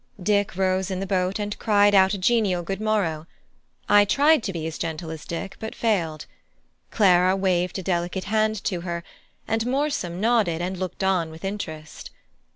Dick rose in the boat and cried out a genial good morrow; I tried to be as genial as Dick, but failed; Clara waved a delicate hand to her; and Morsom nodded and looked on with interest.